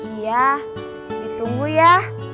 iya ditunggu ya